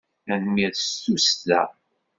Tanemmirt s tussda!